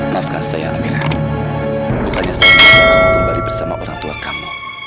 maafkan saya amirah bukannya saya kembali bersama orang tua kamu